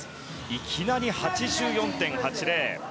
いきなり８４．８０。